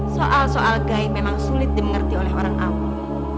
soal soal gai memang sulit dimengerti oleh orang awam